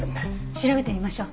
調べてみましょう。